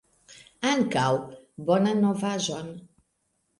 Ankaŭ! Bonan novaĵon!